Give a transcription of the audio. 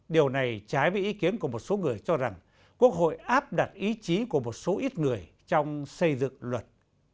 điều này trái với ý kiến của một số người cho rằng quốc hội áp đặt ý chí của một số ít người trong xây dựng luật